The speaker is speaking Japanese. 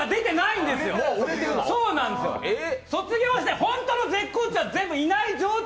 卒業して、ホントの絶好調はいない状態。